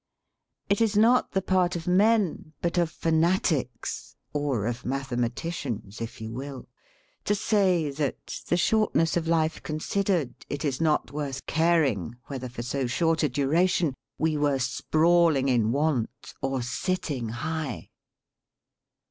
"It is not the part of men, but of fanatics or of mathe maticians, if you will to say that, the shortness of life considered, it is not worth caring whether for so short a duration we were sprawling in want or sitting high."